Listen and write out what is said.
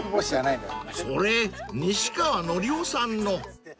［それ西川のりおさんの！］